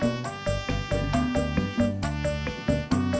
rika aku pulang dulu ya iya kakak